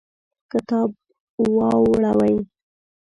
کتاب واوړوئ